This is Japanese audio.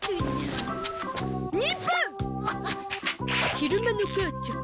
昼間の母ちゃん。